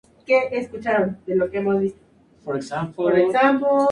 Durante la mayor parte del año suele gozar de un carácter cosmopolita y festivo.